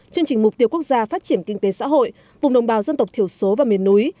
chương trình mục tiêu quốc gia phát triển kinh tế xã hội vùng đồng bào dân tộc thiểu số và miền núi